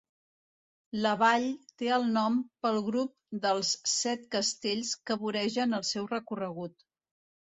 La vall té el nom pel grup dels set castells que voregen el seu recorregut.